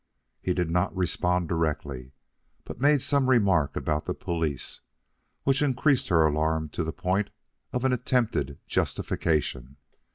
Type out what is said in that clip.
He did not respond directly, but made some remark about the police, which increased her alarm to the point of an attempted justification.